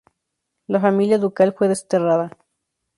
La familia ducal fue desterrada.